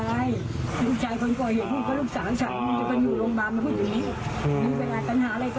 ให้ลุกทำไปเซยไทยนะครับ